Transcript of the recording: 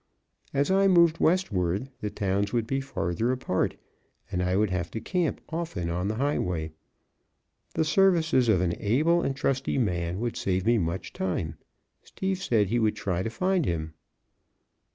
As I moved westward, the towns would be farther apart and I would have to camp often on the highway. The services of an able and trusty man would save me much time. Steve said he would try to find him.